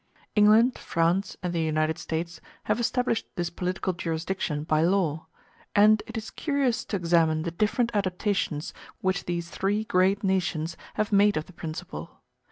England, France, and the United States have established this political jurisdiction by law; and it is curious to examine the different adaptations which these three great nations have made of the principle.